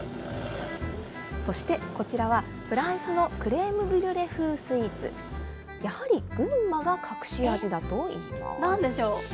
そしてこちらは、フランスのクレーム・ブリュレ風スイーツ。やはり、群馬が隠し味なんでしょう。